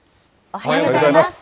おはようございます。